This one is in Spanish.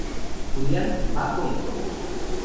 Julián: bajo y coros.